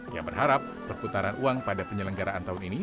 ia berharap perputaran uang pada penyelenggaraan tahun ini